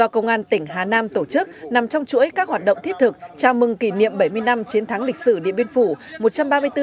công an tỉnh hà nam tổ chức nằm trong chuỗi các hoạt động thiết thực chào mừng kỷ niệm bảy mươi năm chiến thắng lịch sử điện biên phủ